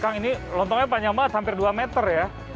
kang ini lontongnya panjang banget hampir dua meter ya